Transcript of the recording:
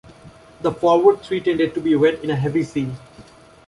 The forward three tended to be wet in a heavy sea.